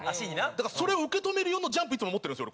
だからそれを受け止める用の『ジャンプ』いつも持ってるんですよ